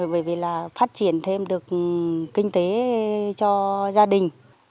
bởi vì là phát triển thêm được kinh tế cho gia đình